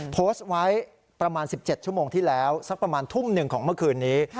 โพสต์ไว้ประมาณ๑๗ชั่วโมงที่แล้วสักประมาณทุ่มหนึ่งของเมื่อคืนนี้